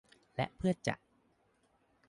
และเพื่อจะ